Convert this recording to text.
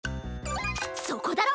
そこだろ！